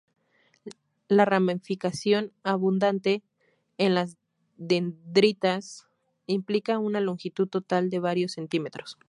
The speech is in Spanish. La ramificación abundante en las dendritas implica una longitud total de varios centímetros.